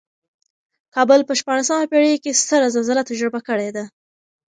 کابل په شپاړسمه پېړۍ کې ستره زلزله تجربه کړې ده.